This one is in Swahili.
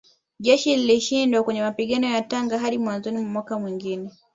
Jeshi lilishindwa kwenye mapigano ya Tanga hadi mwanzoni mwa mwaka mwingine